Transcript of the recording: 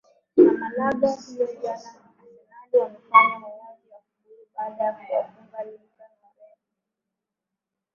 na malaga hiyo jana asernali wamefanya mauwaji ya kufuru baada ya kuwafunga lyton oren